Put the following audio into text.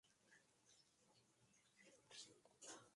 Nerón se vio obligado a suicidarse.